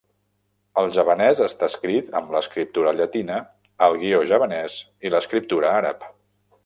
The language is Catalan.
El javanès està escrit amb l'escriptura llatina, el guió javanès i l'escriptura àrab.